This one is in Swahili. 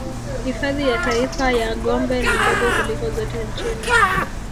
Hifadhi ya Taifa ya Gombe ni ndogo kuliko zote nchini